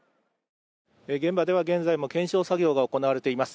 現場では現在も検証作業が行われています。